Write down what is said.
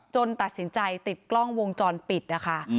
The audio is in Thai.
ตัดสินใจติดกล้องวงจรปิดนะคะ